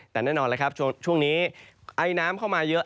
แต่แน่นอนช่วงนี้ไอน้ำเข้ามาเยอะ